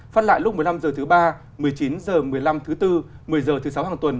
phát lại lúc một mươi năm h thứ ba một mươi chín h một mươi năm thứ tư một mươi h thứ sáu hàng tuần